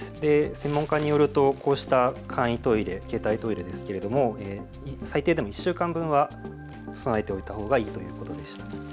専門家によるとこうした簡易トイレ、携帯トイレですけれども最低でも１週間分は備えておいたほうがいいということでした。